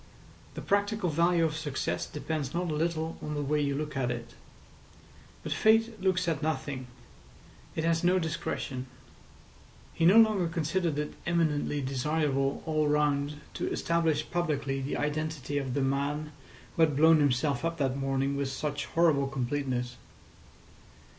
The practical value of success depends not a little on the way you look at it. But Fate looks at nothing. It has no discretion. He no longer considered it eminently desirable all round to establish publicly the identity of the man who had blown himself up that morning with such horrible completeness.